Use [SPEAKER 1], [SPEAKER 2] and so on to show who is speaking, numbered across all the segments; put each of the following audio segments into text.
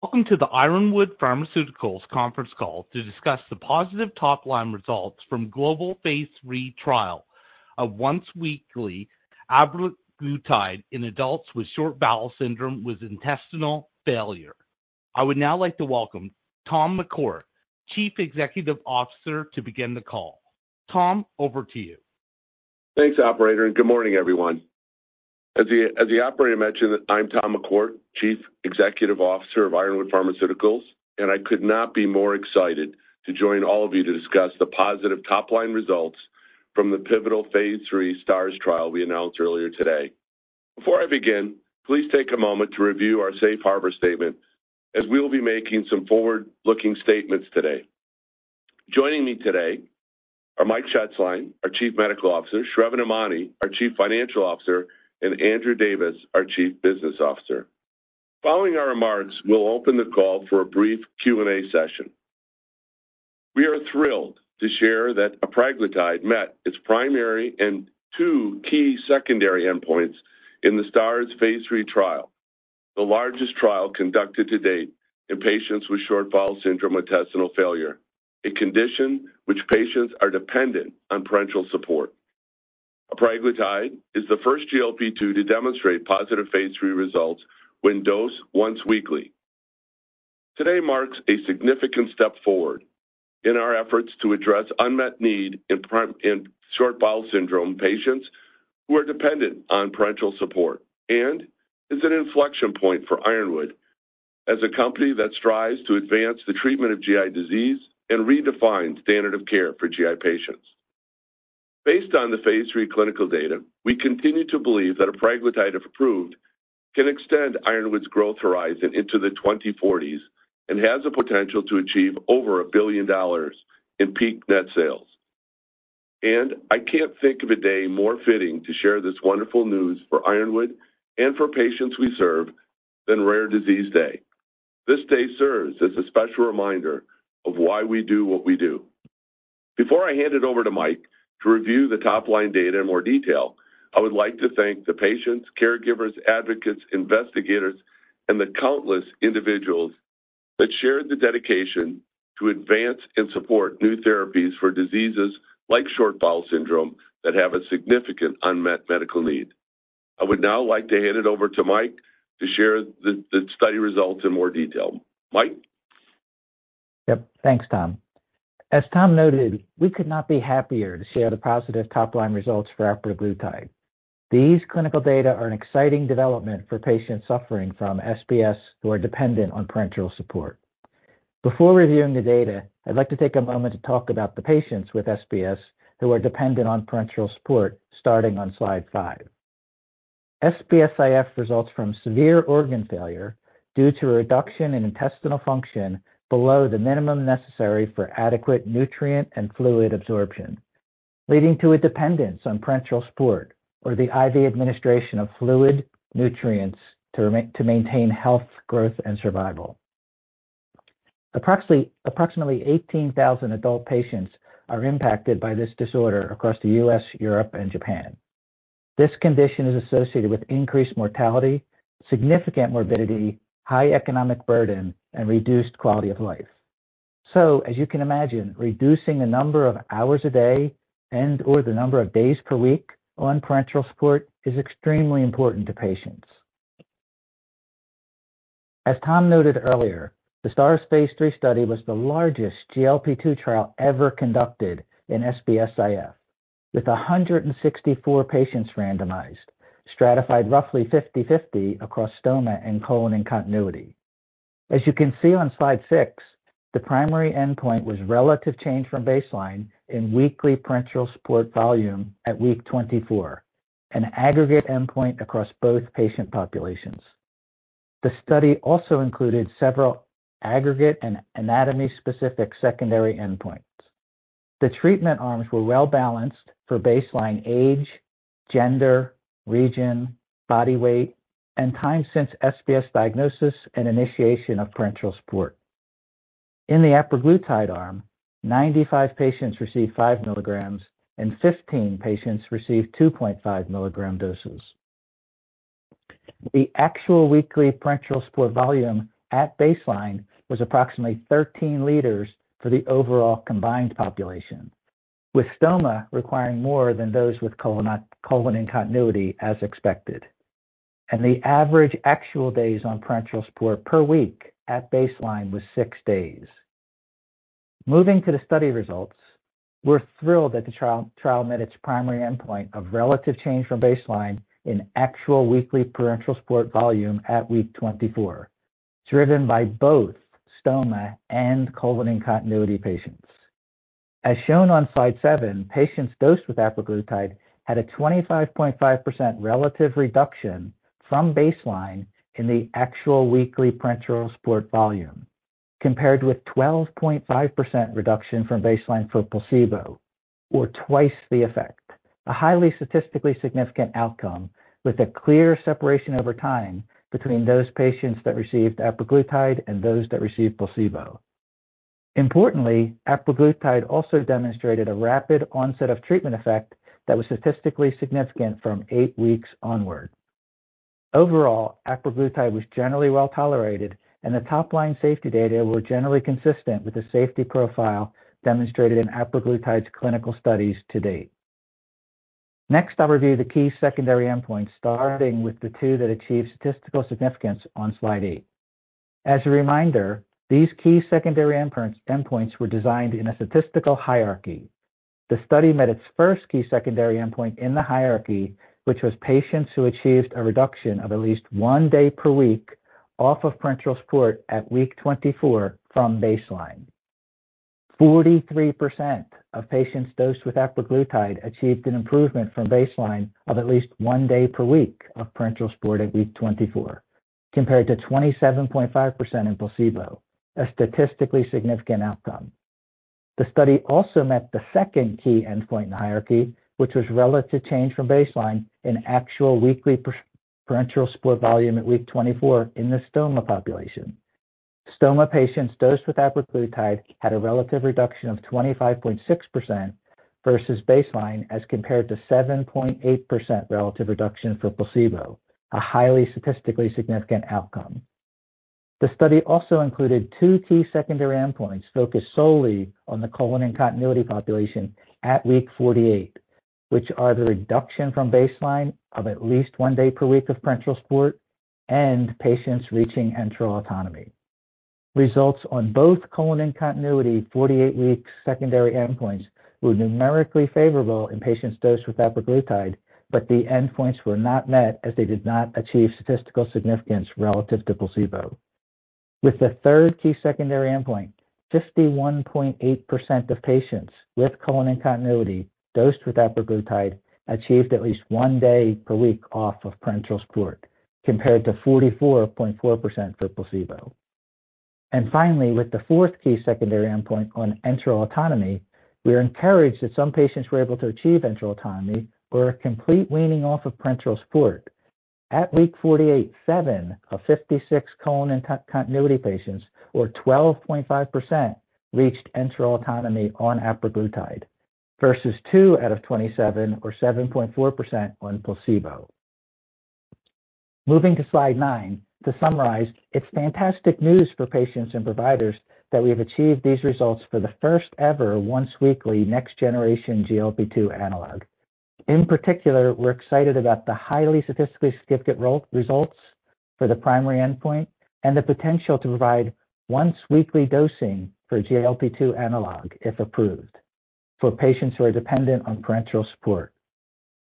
[SPEAKER 1] Welcome to the Ironwood Pharmaceuticals conference call to discuss the positive top-line results from global Phase III trial of once-weekly apraglutide in adults with short bowel syndrome with intestinal failure. I would now like to welcome Tom McCourt, Chief Executive Officer, to begin the call. Tom, over to you.
[SPEAKER 2] Thanks, operator, and good morning, everyone. As the operator mentioned, I'm Tom McCourt, Chief Executive Officer of Ironwood Pharmaceuticals, and I could not be more excited to join all of you to discuss the positive top-line results from the pivotal phase III STARS trial we announced earlier today. Before I begin, please take a moment to review our safe harbor statement, as we will be making some forward-looking statements today. Joining me today are Mike Shetzline, our Chief Medical Officer, Sravan Emany, our Chief Financial Officer, and Andrew Davis, our Chief Business Officer. Following our remarks, we'll open the call for a brief Q&A session. We are thrilled to share that apraglutide met its primary and two key secondary endpoints in the STARS phase III trial, the largest trial conducted to date in patients with short bowel syndrome-intestinal failure, a condition which patients are dependent on parenteral support. Apraglutide is the first GLP-2 to demonstrate positive phase III results when dosed once weekly. Today marks a significant step forward in our efforts to address unmet need in short bowel syndrome patients who are dependent on parenteral support, and is an inflection point for Ironwood as a company that strives to advance the treatment of GI disease and redefine standard of care for GI patients. Based on the phase III clinical data, we continue to believe that apraglutide, if approved, can extend Ironwood's growth horizon into the 2040s and has the potential to achieve over $1 billion in peak net sales. And I can't think of a day more fitting to share this wonderful news for Ironwood and for patients we serve than Rare Disease Day. This day serves as a special reminder of why we do what we do. Before I hand it over to Mike to review the top-line data in more detail, I would like to thank the patients, caregivers, advocates, investigators, and the countless individuals that shared the dedication to advance and support new therapies for diseases like short bowel syndrome that have a significant unmet medical need. I would now like to hand it over to Mike to share the study results in more detail. Mike?
[SPEAKER 3] Yep. Thanks, Tom. As Tom noted, we could not be happier to share the positive top-line results for apraglutide. These clinical data are an exciting development for patients suffering from SBS who are dependent on parenteral support. Before reviewing the data, I'd like to take a moment to talk about the patients with SBS who are dependent on parenteral support, starting on slide 5. SBS-IF results from severe organ failure due to a reduction in intestinal function below the minimum necessary for adequate nutrient and fluid absorption, leading to a dependence on parenteral support or the IV administration of fluid nutrients to maintain health, growth, and survival. Approximately 18,000 adult patients are impacted by this disorder across the U.S., Europe, and Japan. This condition is associated with increased mortality, significant morbidity, high economic burden, and reduced quality of life. So as you can imagine, reducing the number of hours a day and/or the number of days per week on parenteral support is extremely important to patients. As Tom noted earlier, the STARS phase III study was the largest GLP-2 trial ever conducted in SBS-IF, with 164 patients randomized, stratified roughly 50/50 across stoma and colon continuity. As you can see on slide 6, the primary endpoint was relative change from baseline in weekly parenteral support volume at week 24, an aggregate endpoint across both patient populations. The study also included several aggregate and anatomy-specific secondary endpoints. The treatment arms were well-balanced for baseline age, gender, region, body weight, and time since SBS diagnosis and initiation of parenteral support. In the apraglutide arm, 95 patients received 5 mg, and 15 patients received 2.5 mg doses. The actual weekly parenteral support volume at baseline was approximately 13 l for the overall combined population, with stoma requiring more than those with colon, colon-in-continuity, as expected. The average actual days on parenteral support per week at baseline was 6 days. Moving to the study results, we're thrilled that the trial met its primary endpoint of relative change from baseline in actual weekly parenteral support volume at week 24, driven by both stoma and colon-in-continuity patients. As shown on slide 7, patients dosed with apraglutide had a 25.5% relative reduction from baseline in the actual weekly parenteral support volume, compared with 12.5% reduction from baseline for placebo, or twice the effect. A highly statistically significant outcome, with a clear separation over time between those patients that received apraglutide and those that received placebo. Importantly, apraglutide also demonstrated a rapid onset of treatment effect that was statistically significant from eight weeks onward. Overall, apraglutide was generally well tolerated, and the top-line safety data were generally consistent with the safety profile demonstrated in apraglutide's clinical studies to date. Next, I'll review the key secondary endpoints, starting with the two that achieved statistical significance on Slide 8. As a reminder, these key secondary endpoints were designed in a statistical hierarchy. The study met its first key secondary endpoint in the hierarchy, which was patients who achieved a reduction of at least one day per week off of parenteral support at week 24 from baseline. 43% of patients dosed with apraglutide achieved an improvement from baseline of at least one day per week of parenteral support at week 24, compared to 27.5% in placebo, a statistically significant outcome. The study also met the second key endpoint in the hierarchy, which was relative change from baseline in actual weekly parenteral support volume at week 24 in the stoma population. Stoma patients dosed with apraglutide had a relative reduction of 25.6% versus baseline, as compared to 7.8% relative reduction for placebo, a highly statistically significant outcome. The study also included two key secondary endpoints focused solely on the colon-in-continuity population at week 48, which are the reduction from baseline of at least one day per week of parenteral support and patients reaching enteral autonomy. Results on both colon-in-continuity 48-week secondary endpoints were numerically favorable in patients dosed with apraglutide, but the endpoints were not met as they did not achieve statistical significance relative to placebo. With the third key secondary endpoint, 51.8% of patients with colon-in-continuity dosed with apraglutide achieved at least one day per week off of parenteral support, compared to 44.4% for placebo. And finally, with the fourth key secondary endpoint on enteral autonomy, we are encouraged that some patients were able to achieve enteral autonomy or a complete weaning off of parenteral support. At week 48, 7 of 56 colon-in-continuity patients, or 12.5%, reached enteral autonomy on apraglutide, versus 2 out of 27 or 7.4% on placebo. Moving to slide 9, to summarize, it's fantastic news for patients and providers that we have achieved these results for the first ever once-weekly next-generation GLP-2 analog. In particular, we're excited about the highly statistically significant results for the primary endpoint and the potential to provide once-weekly dosing for GLP-2 analog, if approved, for patients who are dependent on parenteral support.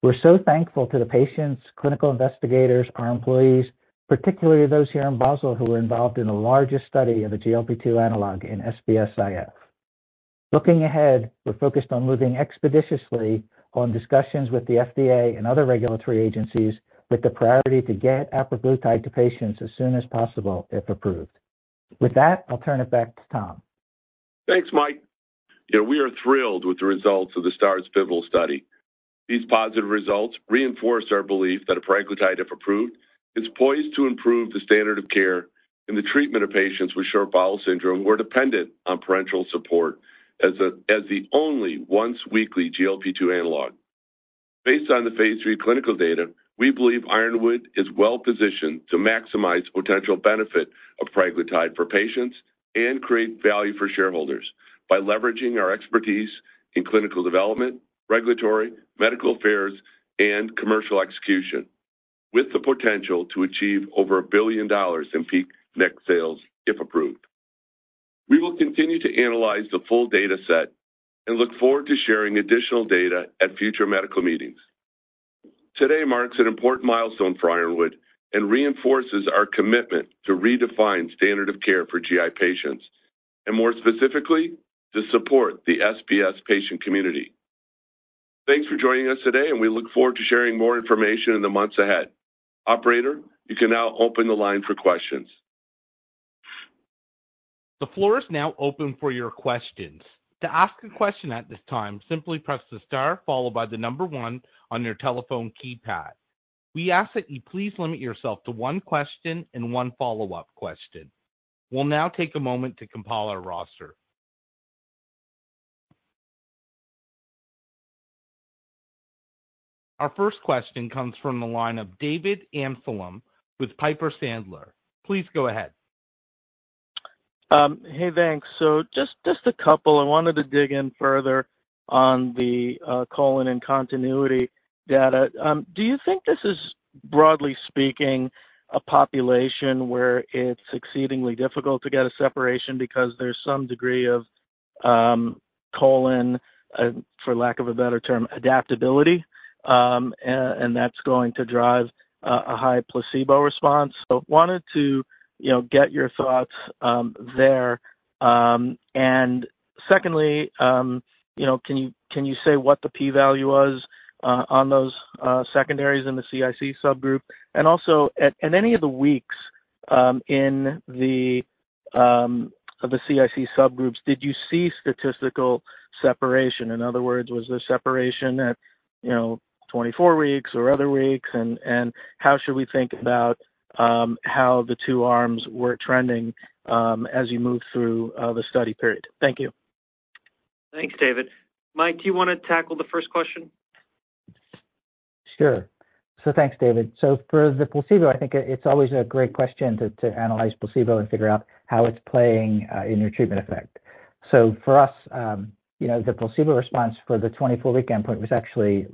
[SPEAKER 3] We're so thankful to the patients, clinical investigators, our employees, particularly those here in Basel, who were involved in the largest study of a GLP-2 analog in SBS-IF. Looking ahead, we're focused on moving expeditiously on discussions with the FDA and other regulatory agencies, with the priority to get apraglutide to patients as soon as possible, if approved. With that, I'll turn it back to Tom.
[SPEAKER 2] Thanks, Mike. You know, we are thrilled with the results of the STARS pivotal study. These positive results reinforce our belief that apraglutide, if approved, is poised to improve the standard of care in the treatment of patients with short bowel syndrome who are dependent on parenteral support as the only once-weekly GLP-2 analog. Based on the phase III clinical data, we believe Ironwood is well positioned to maximize potential benefit of apraglutide for patients and create value for shareholders by leveraging our expertise in clinical development, regulatory, medical affairs, and commercial execution, with the potential to achieve over $1 billion in peak net sales, if approved. We will continue to analyze the full data set and look forward to sharing additional data at future medical meetings. Today marks an important milestone for Ironwood and reinforces our commitment to redefine standard of care for GI patients and, more specifically, to support the SBS patient community. Thanks for joining us today, and we look forward to sharing more information in the months ahead. Operator, you can now open the line for questions.
[SPEAKER 1] The floor is now open for your questions. To ask a question at this time, simply press the star followed by the number one on your telephone keypad. We ask that you please limit yourself to one question and one follow-up question. We'll now take a moment to compile our roster. Our first question comes from the line of David Amsellem with Piper Sandler. Please go ahead.
[SPEAKER 4] Hey, thanks. So just a couple. I wanted to dig in further on the colon-in-continuity data. Do you think this is, broadly speaking, a population where it's exceedingly difficult to get a separation because there's some degree of colon adaptability, for lack of a better term, and that's going to drive a high placebo response? So wanted to get your thoughts there. And secondly, you know, can you say what the p-value was on those secondaries in the CIC subgroup? And also, at any of the weeks in the CIC subgroups, did you see statistical separation? In other words, was there separation at 24 weeks or other weeks? And how should we think about how the two arms were trending as you moved through the study period? Thank you.
[SPEAKER 2] Thanks, David. Mike, do you want to tackle the first question?
[SPEAKER 3] Sure. So thanks, David. So for the placebo, I think it's always a great question to analyze placebo and figure out how it's playing in your treatment effect. So for us, you know, the placebo response for the 24-week endpoint was actually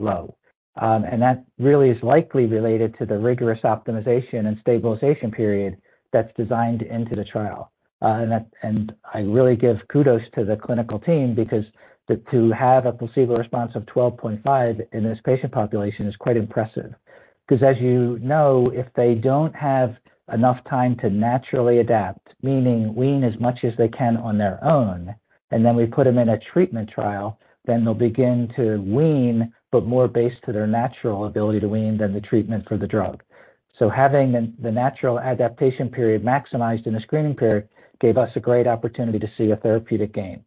[SPEAKER 3] low. And that really is likely related to the rigorous optimization and stabilization period that's designed into the trial. And I really give kudos to the clinical team because to have a placebo response of 12.5 in this patient population is quite impressive. 'Cause as you know, if they don't have enough time to naturally adapt, meaning wean as much as they can on their own, and then we put them in a treatment trial, then they'll begin to wean, but more based to their natural ability to wean than the treatment for the drug. So having the natural adaptation period maximized in the screening period gave us a great opportunity to see a therapeutic gain.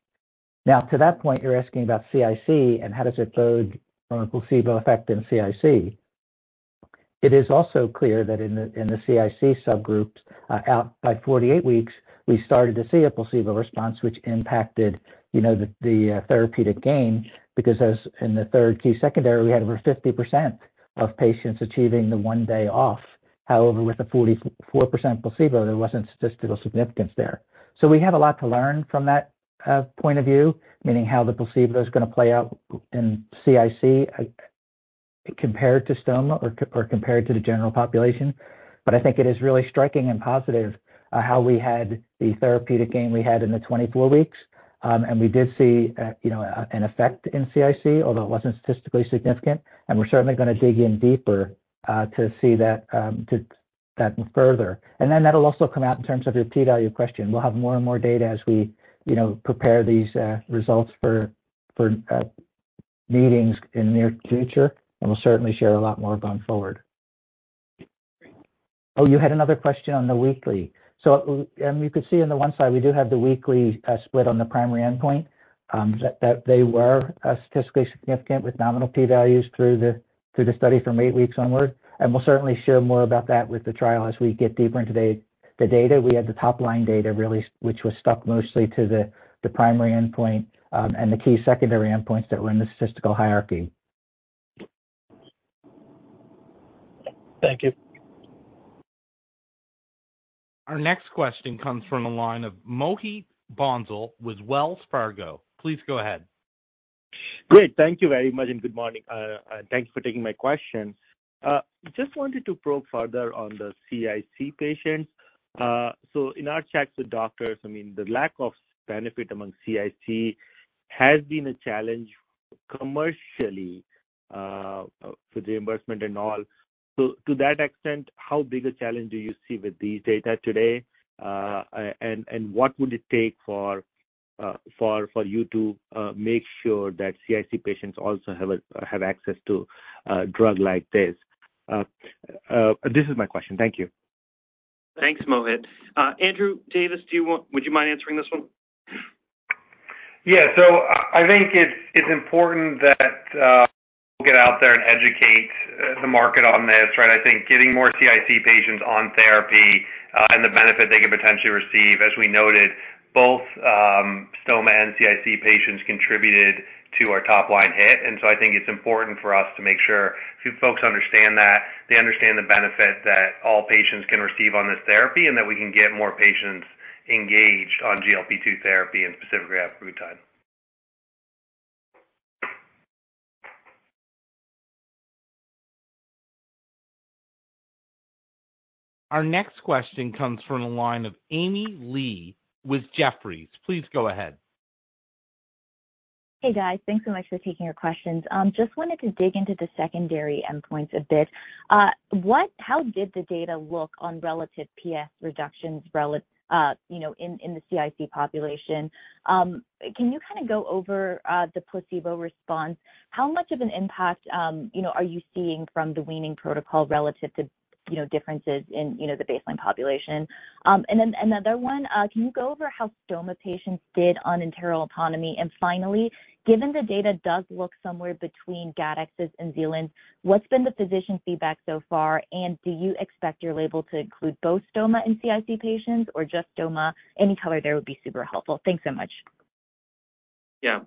[SPEAKER 3] Now, to that point, you're asking about CIC and how does it bode on a placebo effect in CIC. It is also clear that in the CIC subgroups, out by 48 weeks, we started to see a placebo response, which impacted, you know, the therapeutic gain, because as in the third key secondary, we had over 50% of patients achieving the one day off. However, with the 44% placebo, there wasn't statistical significance there. So we have a lot to learn from that point of view, meaning how the placebo is gonna play out in CIC, compared to stoma or compared to the general population. But I think it is really striking and positive, how we had the therapeutic gain we had in the 24 weeks. And we did see, you know, an effect in CIC, although it wasn't statistically significant, and we're certainly gonna dig in deeper, to see that, to that further. And then that'll also come out in terms of your p-value question. We'll have more and more data as we, you know, prepare these results for meetings in the near future, and we'll certainly share a lot more going forward. Oh, you had another question on the weekly. So, you could see on the one side, we do have the weekly split on the primary endpoint, that they were statistically significant with nominal p-values through the study from 8 weeks onward. We'll certainly share more about that with the trial as we get deeper into the data. We had the top line data really, which was stuck mostly to the primary endpoint and the key secondary endpoints that were in the statistical hierarchy.
[SPEAKER 1] Thank you. Our next question comes from the line of Mohit Bansal with Wells Fargo. Please go ahead.
[SPEAKER 5] Great. Thank you very much, and good morning. Thank you for taking my question. Just wanted to probe further on the CIC patients. So in our chats with doctors, I mean, the lack of benefit among CIC has been a challenge commercially, for the reimbursement and all. So to that extent, how big a challenge do you see with these data today? And what would it take for you to make sure that CIC patients also have access to a drug like this? This is my question. Thank you.
[SPEAKER 1] Thanks, Mohit. Andrew Davis, do you want. Would you mind answering this one?
[SPEAKER 6] Yeah. So I think it's important that we get out there and educate the market on this, right? I think getting more CIC patients on therapy and the benefit they can potentially receive, as we noted, both stoma and CIC patients contributed to our top-line hit. And so I think it's important for us to make sure folks understand that they understand the benefit that all patients can receive on this therapy, and that we can get more patients engaged on GLP-2 therapy, and specifically apraglutide.
[SPEAKER 1] Our next question comes from the line of Amy Li with Jefferies. Please go ahead.
[SPEAKER 7] Hey, guys. Thanks so much for taking our questions. Just wanted to dig into the secondary endpoints a bit. How did the data look on relative PS reductions, you know, in the CIC population? Can you kinda go over the placebo response? How much of an impact, you know, are you seeing from the weaning protocol relative to, you know, differences in the baseline population? And then another one, can you go over how stoma patients did on enteral autonomy? And finally, given the data does look somewhere between GATTEX and Zealand, what's been the physician feedback so far? And do you expect your label to include both stoma and CIC patients or just stoma? Any color there would be super helpful. Thanks so much.
[SPEAKER 2] Yeah.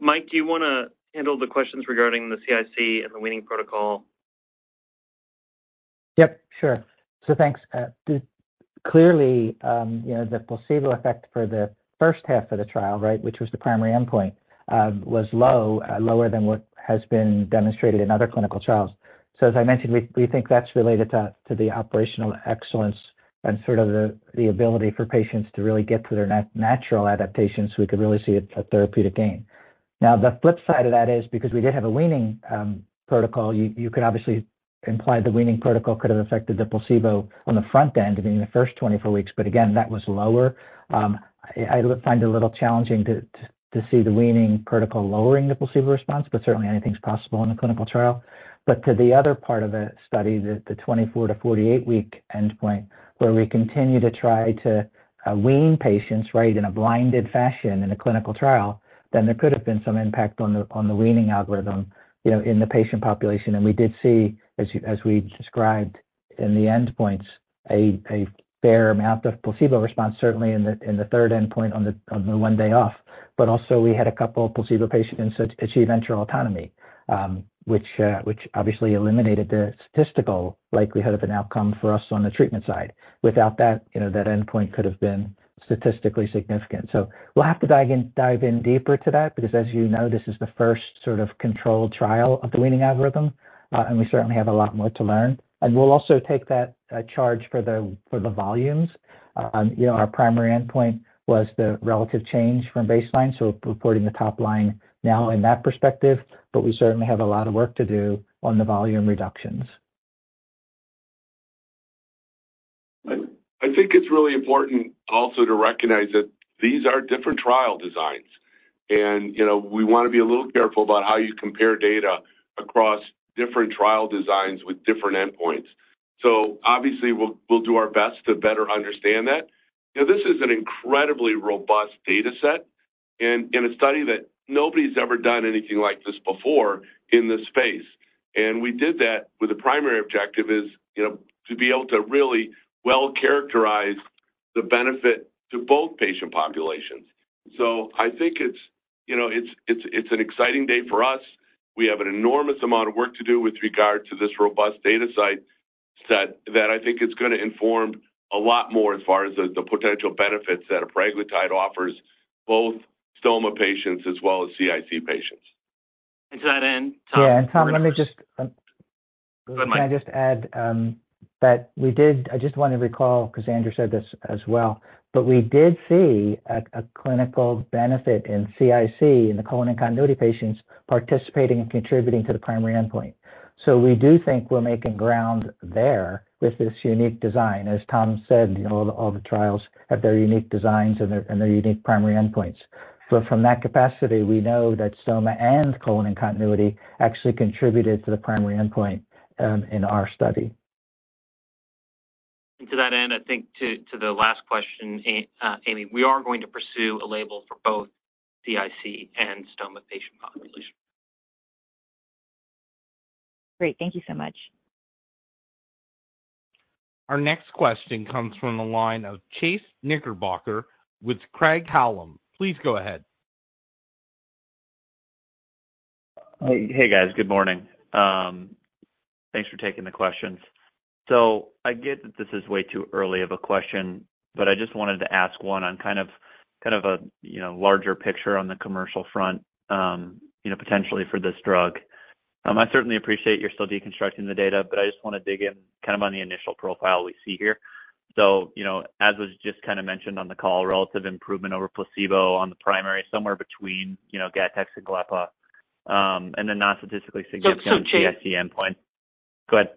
[SPEAKER 2] Mike, do you wanna handle the questions regarding the CIC and the weaning protocol?
[SPEAKER 3] Yep, sure. So thanks. Clearly, you know, the placebo effect for the first half of the trial, right, which was the primary endpoint, was low, lower than what has been demonstrated in other clinical trials. So as I mentioned, we think that's related to the operational excellence and sort of the ability for patients to really get to their natural adaptations, so we could really see a therapeutic gain. Now, the flip side of that is because we did have a weaning protocol, you could obviously imply the weaning protocol could have affected the placebo on the front end, I mean, the first 24 weeks, but again, that was lower. I find it a little challenging to see the weaning protocol lowering the placebo response, but certainly anything's possible in a clinical trial. But to the other part of the study, the 24-48 week endpoint, where we continue to try to wean patients, right, in a blinded fashion in a clinical trial, then there could have been some impact on the, on the weaning algorithm, you know, in the patient population. And we did see, as we, as we described in the endpoints, a fair amount of placebo response, certainly in the, in the third endpoint on the, on the one day off. But also we had a couple of placebo patients achieve enteral autonomy, which obviously eliminated the statistical likelihood of an outcome for us on the treatment side. Without that, you know, that endpoint could have been statistically significant. So we'll have to dive in, dive in deeper to that, because as you know, this is the first sort of controlled trial of the weaning algorithm, and we certainly have a lot more to learn. And we'll also take that charge for the, for the volumes. You know, our primary endpoint was the relative change from baseline, so reporting the top line now in that perspective, but we certainly have a lot of work to do on the volume reductions.
[SPEAKER 2] I think it's really important also to recognize that these are different trial designs. You know, we want to be a little careful about how you compare data across different trial designs with different endpoints. So obviously, we'll do our best to better understand that. You know, this is an incredibly robust data set and a study that nobody's ever done anything like this before in this space. We did that with the primary objective is, you know, to be able to really well characterize the benefit to both patient populations. So I think it's, you know, an exciting day for us. We have an enormous amount of work to do with regard to this robust data set that I think is going to inform a lot more as far as the potential benefits that apraglutide offers, both stoma patients as well as CIC patients.
[SPEAKER 1] And to that end, Tom-
[SPEAKER 3] Yeah, and Tom, let me just-
[SPEAKER 1] Go ahead.
[SPEAKER 3] Can I just add that we did. I just want to recall, 'cause Andrew said this as well, but we did see a clinical benefit in CIC, in the colon continuity patients, participating and contributing to the primary endpoint. So we do think we're making ground there with this unique design. As Tom said, you know, all the trials have their unique designs and their unique primary endpoints. So from that capacity, we know that stoma and colon continuity actually contributed to the primary endpoint in our study.
[SPEAKER 2] To that end, I think to the last question, Amy, we are going to pursue a label for both CIC and stoma patient population. Great. Thank you so much.
[SPEAKER 1] Our next question comes from the line of Chase Knickerbocker with Craig-Hallum. Please go ahead.
[SPEAKER 8] Hey, hey, guys. Good morning. Thanks for taking the questions. So I get that this is way too early of a question, but I just wanted to ask one on kind of a, you know, larger picture on the commercial front, you know, potentially for this drug. I certainly appreciate you're still deconstructing the data, but I just want to dig in kind of on the initial profile we see here. So, you know, as was just kind of mentioned on the call, relative improvement over placebo on the primary, somewhere between, you know, GATTEX and glepaglutide, and then not statistically significant CIC endpoint.
[SPEAKER 1] So, Chase-
[SPEAKER 8] Go ahead.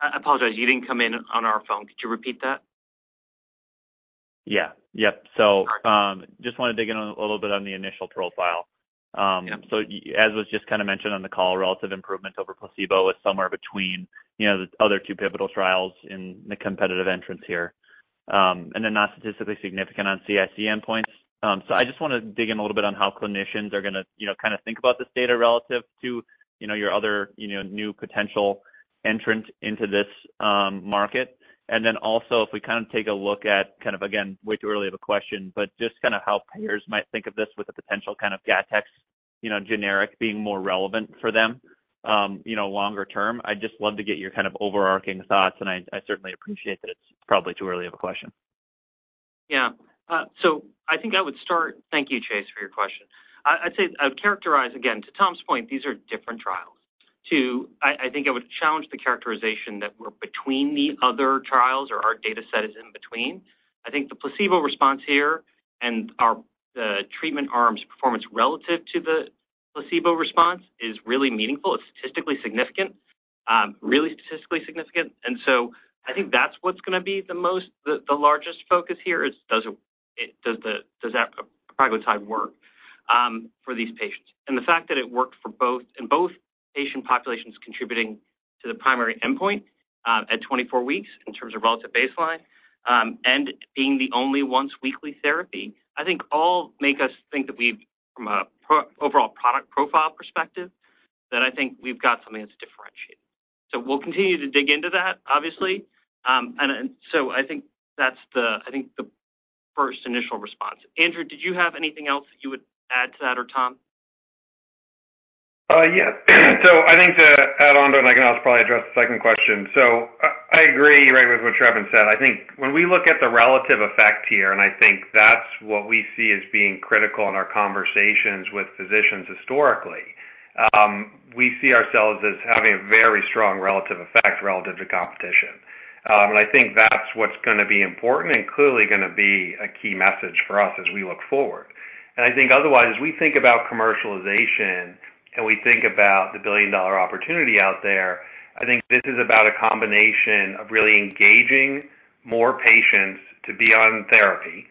[SPEAKER 1] I apologize. You didn't come in on our phone. Could you repeat that?
[SPEAKER 8] Yeah. Yep.
[SPEAKER 1] Perfect.
[SPEAKER 8] Just wanted to dig in a little bit on the initial profile.
[SPEAKER 1] Yep.
[SPEAKER 9] So as was just kind of mentioned on the call, relative improvements over placebo is somewhere between, you know, the other two pivotal trials in the competitive entrants here, and they're not statistically significant on CIC endpoints. So I just want to dig in a little bit on how clinicians are going to, you know, kind of think about this data relative to, you know, your other, you know, new potential entrant into this, market. And then also, if we kind of take a look at, kind of, again, way too early of a question, but just kind of how payers might think of this with a potential kind of GATTEX, you know, generic being more relevant for them, you know, longer term. I'd just love to get your kind of overarching thoughts, and I, I certainly appreciate that it's probably too early of a question.
[SPEAKER 3] Yeah. So I think I would start. Thank you, Chase, for your question. I'd say I would characterize, again, to Tom's point, these are different trials. I think I would challenge the characterization that we're between the other trials or our data set is in between. I think the placebo response here and our treatment arms performance relative to the placebo response is really meaningful. It's statistically significant, really statistically significant. And so I think that's what's going to be the most, the largest focus here is, does it--does the, does that apraglutide work for these patients? The fact that it worked for both, in both patient populations contributing to the primary endpoint, at 24 weeks in terms of relative baseline, and being the only once weekly therapy, I think all make us think that we've, from a pro- overall product profile perspective, that I think we've got something that's differentiated. So we'll continue to dig into that, obviously. And, and so I think that's the, I think, the first initial response. Andrew, did you have anything else that you would add to that, or Tom?
[SPEAKER 6] Yeah. So I think to add on to it, and I can also probably address the second question. So I agree right with what Sravan said. I think when we look at the relative effect here, and I think that's what we see as being critical in our conversations with physicians historically, we see ourselves as having a very strong relative effect relative to competition. And I think that's what's going to be important and clearly going to be a key message for us as we look forward. And I think otherwise, we think about commercialization, and we think about the billion-dollar opportunity out there. I think this is about a combination of really engaging more patients to be on therapy.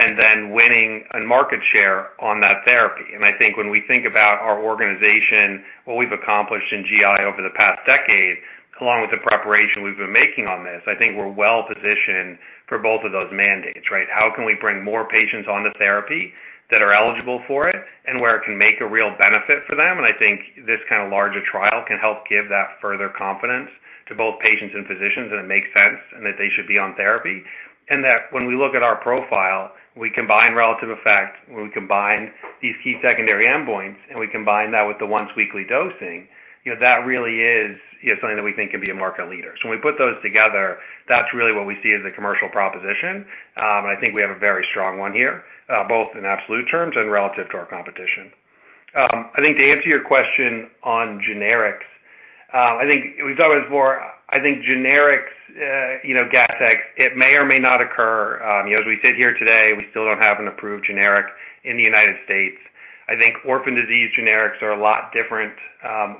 [SPEAKER 6] And then winning on market share on that therapy. And I think when we think about our organization, what we've accomplished in GI over the past decade, along with the preparation we've been making on this, I think we're well positioned for both of those mandates, right? How can we bring more patients on the therapy that are eligible for it and where it can make a real benefit for them? And I think this kind of larger trial can help give that further confidence to both patients and physicians, and it makes sense, and that they should be on therapy. And that when we look at our profile, we combine relative effect, when we combine these key secondary endpoints, and we combine that with the once-weekly dosing, you know, that really is, you know, something that we think can be a market leader. So when we put those together, that's really what we see as a commercial proposition. And I think we have a very strong one here, both in absolute terms and relative to our competition. I think to answer your question on generics, I think generics, you know, GATTEX, it may or may not occur. You know, as we sit here today, we still don't have an approved generic in the United States. I think orphan disease generics are a lot different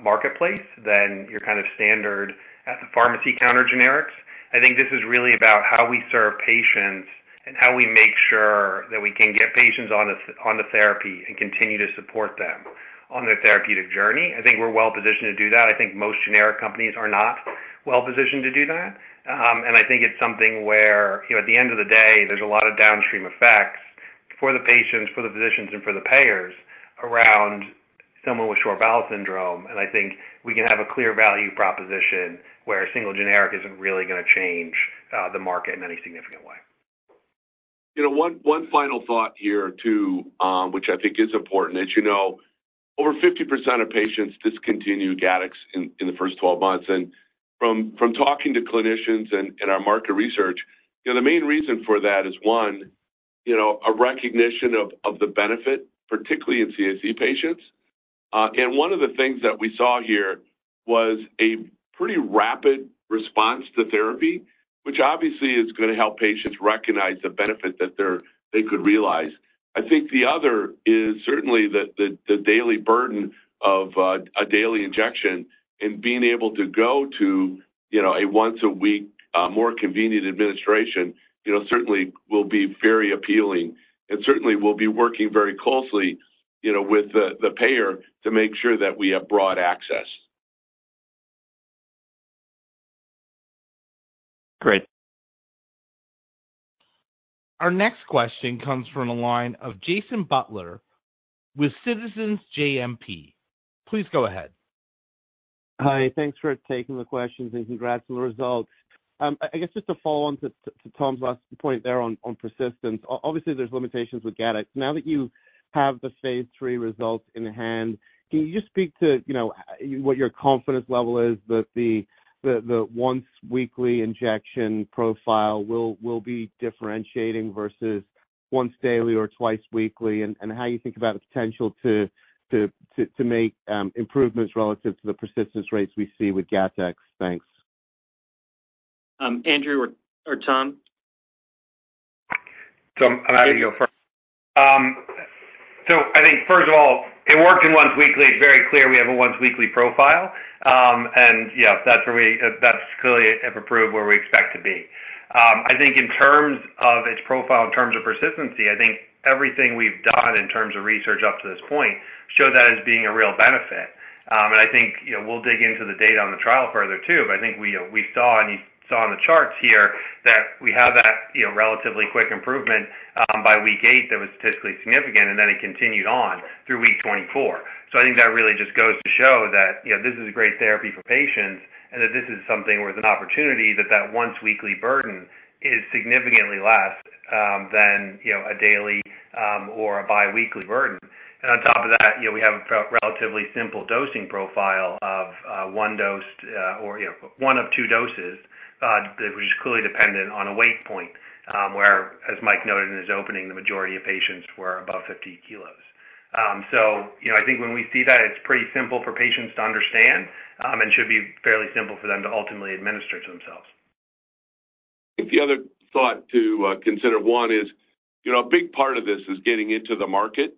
[SPEAKER 6] marketplace than your kind of standard at the pharmacy counter generics. I think this is really about how we serve patients and how we make sure that we can get patients on the therapy and continue to support them on their therapeutic journey. I think we're well positioned to do that. I think most generic companies are not well positioned to do that. And I think it's something where, you know, at the end of the day, there's a lot of downstream effects for the patients, for the physicians, and for the payers around someone with short bowel syndrome. And I think we can have a clear value proposition where a single generic isn't really gonna change the market in any significant way.
[SPEAKER 2] You know, one final thought here, too, which I think is important, as you know, over 50% of patients discontinue GATTEX in the first 12 months. And from talking to clinicians and our market research, you know, the main reason for that is, one, you know, a recognition of the benefit, particularly in CIC patients. And one of the things that we saw here was a pretty rapid response to therapy, which obviously is gonna help patients recognize the benefit that they could realize. I think the other is certainly the daily burden of a daily injection and being able to go to, you know, a once-a-week, more convenient administration, you know, certainly will be very appealing. Certainly, we'll be working very closely, you know, with the payer to make sure that we have broad access.
[SPEAKER 1] Great. Our next question comes from the line of Jason Butler with JMP Securities. Please go ahead.
[SPEAKER 10] Hi, thanks for taking the questions, and congrats on the results. I guess just to follow on to Tom's last point there on persistence. Obviously, there's limitations with GATTEX. Now that you have the phase III results in hand, can you just speak to, you know, what your confidence level is that the once-weekly injection profile will be differentiating versus once daily or twice weekly? And how you think about the potential to make improvements relative to the persistence rates we see with GATTEX. Thanks.
[SPEAKER 1] Andrew or Tom?
[SPEAKER 6] Tom, I'm happy to go first. So I think first of all, it worked in once weekly. It's very clear we have a once weekly profile. And yeah, that's where we—that's clearly have approved where we expect to be. I think in terms of its profile, in terms of persistency, I think everything we've done in terms of research up to this point shows that as being a real benefit. And I think, you know, we'll dig into the data on the trial further, too. But I think we, we saw, and you saw in the charts here, that we have that, you know, relatively quick improvement by week eight, that was statistically significant, and then it continued on through week 24. So I think that really just goes to show that, you know, this is a great therapy for patients, and that this is something where there's an opportunity that once-weekly burden is significantly less than, you know, a daily or a biweekly burden. And on top of that, you know, we have a relatively simple dosing profile of one dose or, you know, one of two doses that was clearly dependent on a weight point where, as Mike noted in his opening, the majority of patients were above 50 kilos. So you know, I think when we see that, it's pretty simple for patients to understand and should be fairly simple for them to ultimately administer to themselves.
[SPEAKER 2] I think the other thought to consider, one is, you know, a big part of this is getting into the market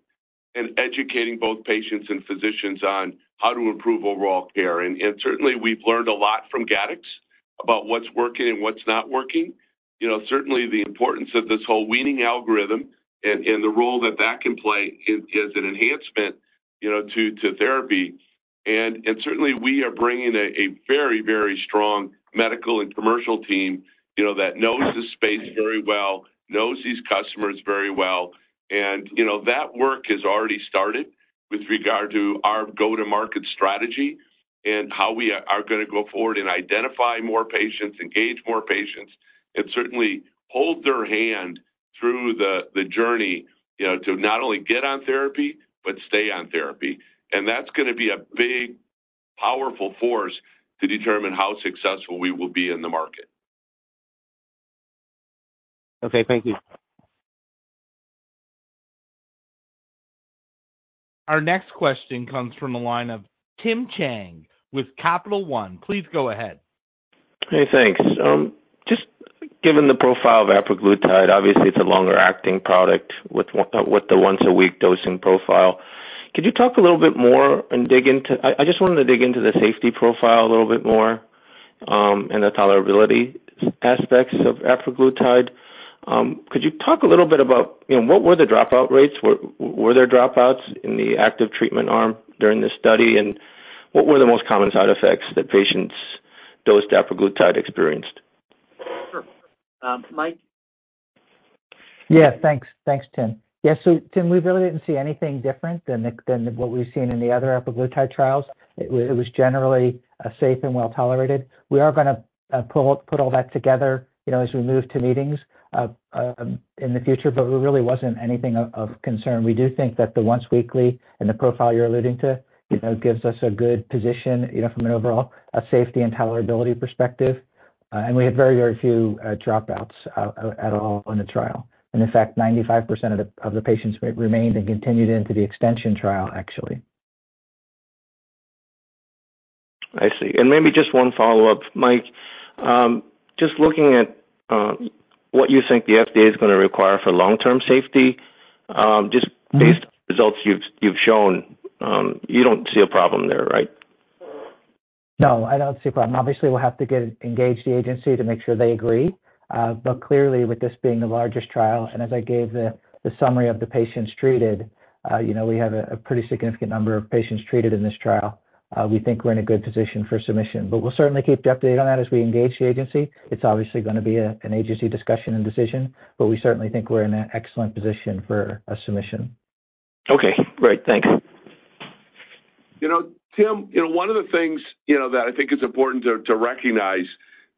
[SPEAKER 2] and educating both patients and physicians on how to improve overall care. And certainly, we've learned a lot from GATTEX about what's working and what's not working. You know, certainly the importance of this whole weaning algorithm and the role that that can play as an enhancement, you know, to therapy. And certainly, we are bringing a very, very strong medical and commercial team, you know, that knows the space very well, knows these customers very well. You know, that work has already started with regard to our go-to-market strategy and how we are gonna go forward and identify more patients, engage more patients, and certainly hold their hand through the journey, you know, to not only get on therapy, but stay on therapy. That's gonna be a big, powerful force to determine how successful we will be in the market.
[SPEAKER 10] Okay, thank you.
[SPEAKER 1] Our next question comes from the line of Tim Chiang with Capital One. Please go ahead.
[SPEAKER 11] Hey, thanks. Just given the profile of apraglutide, obviously, it's a longer-acting product with the once-a-week dosing profile. Could you talk a little bit more and dig into. I just wanted to dig into the safety profile a little bit more? And the tolerability aspects of apraglutide. Could you talk a little bit about, you know, what were the dropout rates? Were there dropouts in the active treatment arm during this study? And what were the most common side effects that patients dosed apraglutide experienced?
[SPEAKER 2] Sure. Mike?
[SPEAKER 3] Yeah, thanks. Thanks, Tim. Yeah, so Tim, we really didn't see anything different than what we've seen in the other apraglutide trials. It was generally safe and well-tolerated. We are gonna put all that together, you know, as we move to meetings in the future, but there really wasn't anything of concern. We do think that the once-weekly and the profile you're alluding to, you know, gives us a good position, you know, from an overall safety and tolerability perspective. And we had very, very few dropouts at all on the trial. And in fact, 95% of the patients remained and continued into the extension trial, actually.
[SPEAKER 11] I see. And maybe just one follow-up, Mike. Just looking at what you think the FDA is gonna require for long-term safety, just-
[SPEAKER 3] Mm.
[SPEAKER 11] -based on the results you've shown, you don't see a problem there, right?
[SPEAKER 3] No, I don't see a problem. Obviously, we'll have to engage the agency to make sure they agree. But clearly, with this being the largest trial, and as I gave the summary of the patients treated, you know, we have a pretty significant number of patients treated in this trial. We think we're in a good position for submission. But we'll certainly keep you updated on that as we engage the agency. It's obviously gonna be an agency discussion and decision, but we certainly think we're in an excellent position for a submission.
[SPEAKER 11] Okay, great. Thanks.
[SPEAKER 6] You know, Tim, you know, one of the things, you know, that I think is important to, to recognize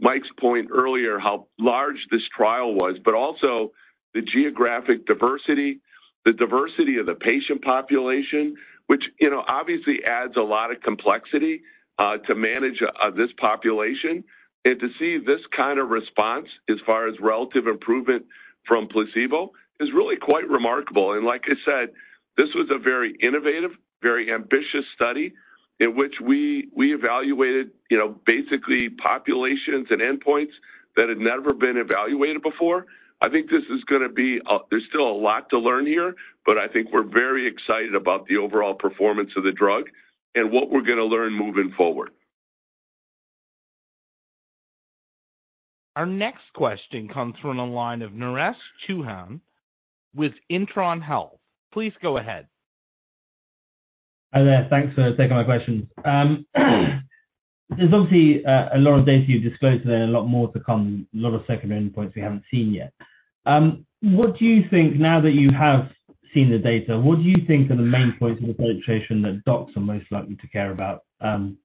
[SPEAKER 6] Mike's point earlier, how large this trial was, but also the geographic diversity, the diversity of the patient population, which, you know, obviously adds a lot of complexity to manage this population. And to see this kind of response as far as relative improvement from placebo is really quite remarkable. And like I said, this was a very innovative, very ambitious study in which we, we evaluated, you know, basically populations and endpoints that had never been evaluated before. I think this is gonna be a, there's still a lot to learn here, but I think we're very excited about the overall performance of the drug and what we're gonna learn moving forward.
[SPEAKER 1] Our next question comes from the line of Naresh Chouhan with Intron Health. Please go ahead.
[SPEAKER 12] Hi there. Thanks for taking my question. There's obviously a lot of data you've disclosed today, and a lot more to come, a lot of secondary endpoints we haven't seen yet. What do you think, now that you have seen the data, what do you think are the main points of the presentation that docs are most likely to care about,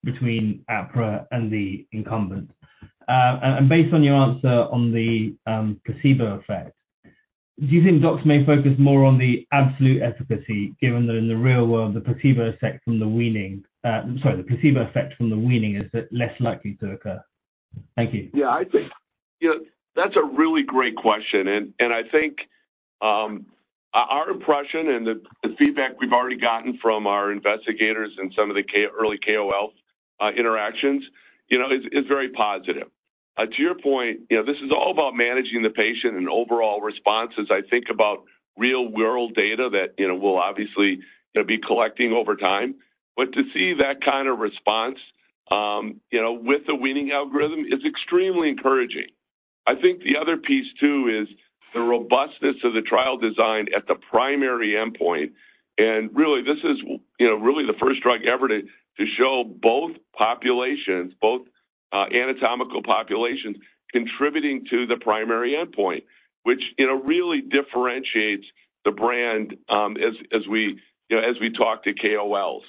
[SPEAKER 12] between Apra and the incumbent? And based on your answer on the placebo effect, do you think docs may focus more on the absolute efficacy, given that in the real world, the placebo effect from the weaning is less likely to occur? Thank you.
[SPEAKER 2] Yeah, I think, you know, that's a really great question, and, and I think, our impression and the feedback we've already gotten from our investigators and some of the key early KOL interactions, you know, is very positive. To your point, you know, this is all about managing the patient and overall responses. I think about real-world data that, you know, we'll obviously gonna be collecting over time. But to see that kind of response, you know, with the weaning algorithm, is extremely encouraging. I think the other piece, too, is the robustness of the trial design at the primary endpoint. Really, this is, you know, really the first drug ever to show both populations, both anatomical populations, contributing to the primary endpoint, which, you know, really differentiates the brand, as we, you know, as we talk to KOLs.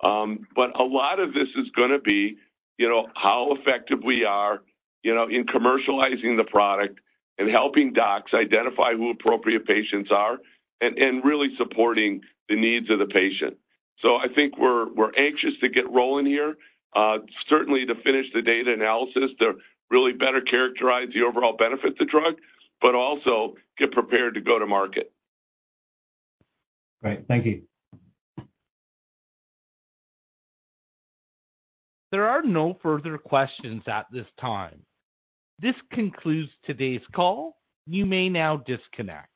[SPEAKER 2] But a lot of this is gonna be, you know, how effective we are, you know, in commercializing the product and helping docs identify who appropriate patients are, and really supporting the needs of the patient. So I think we're anxious to get rolling here, certainly to finish the data analysis to really better characterize the overall benefit of the drug, but also get prepared to go to market.
[SPEAKER 12] Great. Thank you.
[SPEAKER 1] There are no further questions at this time. This concludes today's call. You may now disconnect.